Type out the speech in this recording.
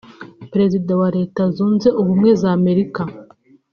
Perezida wa Leta Zunze Ubumwe za Amerika